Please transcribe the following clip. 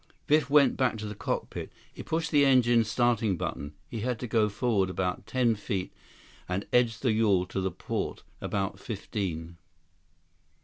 Biff went back to the cockpit. He pushed the engine's starting button. He had to go forward about ten feet and edge the yawl to the port about fifteen.